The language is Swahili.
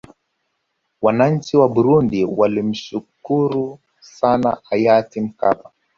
wananchi wa burundi wanamshukuru sana hayati mkapa